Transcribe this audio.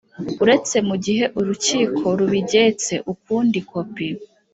Uretse mu gihe urukiko rubigetse ukundi kopi